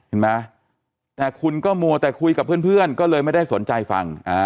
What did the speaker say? เห็นไหมแต่คุณก็มัวแต่คุยกับเพื่อนก็เลยไม่ได้สนใจฟัง